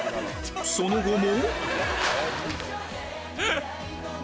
その後も